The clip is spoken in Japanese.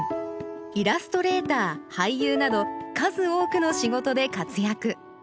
イラストレーター俳優など数多くの仕事で活躍